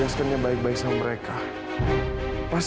apa efek yang dibenar taufan